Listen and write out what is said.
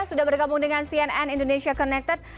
sudah bergabung dengan cnn indonesia connected